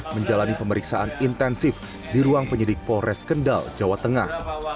menjalani pemeriksaan intensif di ruang penyidik polres kendal jawa tengah